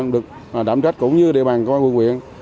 được đảm trách cũng như địa bàn của quận nguyện